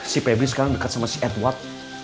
si febri sekarang dekat sama si edward